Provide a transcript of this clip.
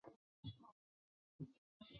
壶冠木为茜草科壶冠木属下的一个种。